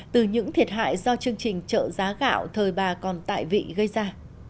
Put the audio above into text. từ những thiệt hại do chương trình trợ giá gạo thời bà còn tại vị gây ra